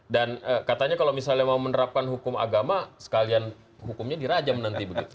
dan katanya kalau misalnya mau menerapkan hukum agama sekalian hukumnya dirajam nanti